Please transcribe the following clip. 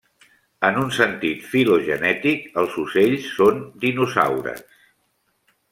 En un sentit filogenètic, els ocells són dinosaures.